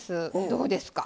どうですか？